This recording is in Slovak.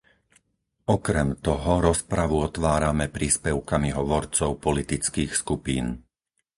Okrem toho rozpravu otvárame príspevkami hovorcov politických skupín.